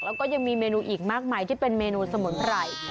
แล้วก็ยังมีเมนูอีกมากมายที่เป็นเมนูสมุนไพร